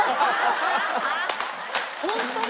ホントだ！